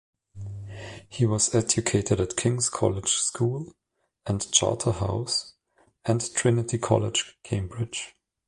He was educated at King's College School and Charterhouse, and Trinity College, Cambridge.